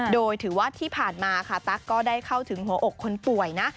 โดยถือว่าที่ผ่านมาค่ะตั๊กก็ได้เข้าถึงหัวอกคนป่วยนะ